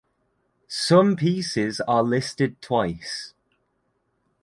Some pieces are listed twice.